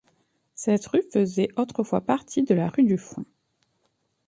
Cette rue faisait autrefois partie de la rue du Foin.